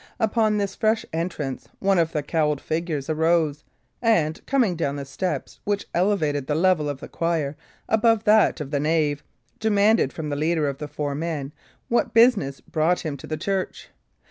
Upon this fresh entrance, one of the cowled figures arose, and, coming down the steps which elevated the level of the choir above that of the nave, demanded from the leader of the four men what business brought him to the church.